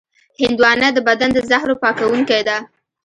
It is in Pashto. هندوانه د بدن د زهرو پاکوونکې ده.